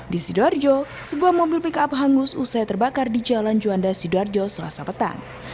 di sidoarjo sebuah mobil pick up hangus usai terbakar di jalan juanda sidoarjo selasa petang